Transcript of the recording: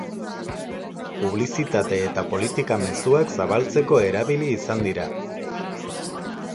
Publizitate eta politika mezuak zabaltzeko erabili izan dira.